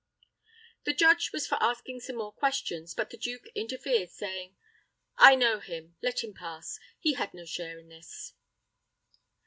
The judge was for asking some more questions, but the duke interfered, saying, "I know him let him pass. He had no share in this."